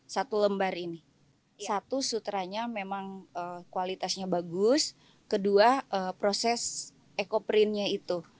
satu lembar ini satu sutranya memang kualitasnya bagus kedua proses ekoprintnya itu